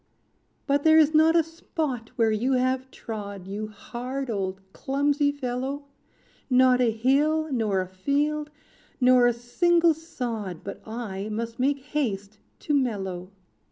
"But there is not a spot where you have trod. You hard, old clumsy fellow, Not a hill, nor a field, nor a single sod, But I must make haste to mellow.